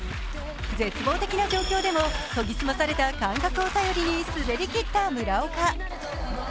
絶望的な状況でも研ぎ澄まされた感覚を頼りに滑り切った村岡。